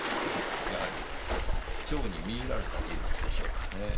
やはり蝶に魅入られた人物でしょうかねぇ。